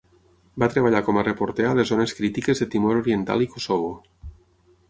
Va treballar com a reporter a les zones crítiques de Timor Oriental i Kosovo.